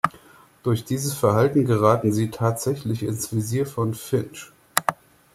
Durch dieses Verhalten geraten sie tatsächlich ins Visier von Finch.